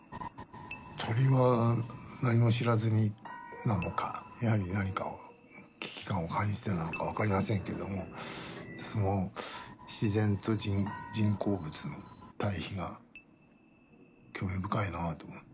鳥は何も知らずになのかやはり何かを危機感を感じてなのか分かりませんけどもその自然と人工物の対比が興味深いなと思った。